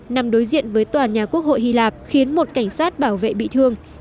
nằm đối diện với tòa nhà quốc hội hy lạp khiến một cảnh sát bảo vệ bị thương